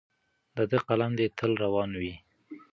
د ده قلم دې تل روان وي.